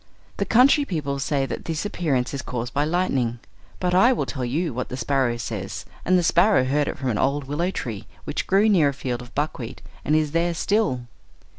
The country people say that this appearance is caused by lightning; but I will tell you what the sparrow says, and the sparrow heard it from an old willow tree which grew near a field of buckwheat, and is there still.